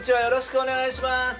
よろしくお願いします。